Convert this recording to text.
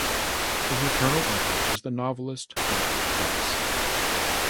His maternal uncle is the novelist Mark Harris.